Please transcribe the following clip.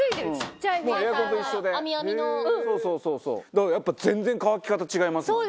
だからやっぱ全然乾き方違いますもんね。